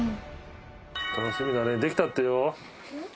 楽しみだねできたってよ。